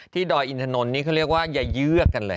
ดอยอินถนนนี่เขาเรียกว่าอย่าเยือกกันเลย